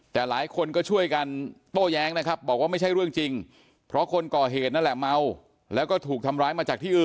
แต่หลายคนก็ช่วยกันโต้แย้งนะครับ